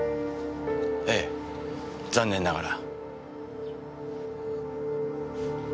ええ残念ながら。